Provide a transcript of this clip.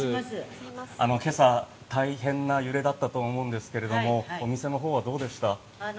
今朝、大変な揺れだったと思うんですがお店のほうはどうでした？